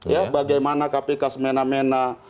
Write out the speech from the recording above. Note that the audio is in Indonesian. ya bagaimana kpk semena mena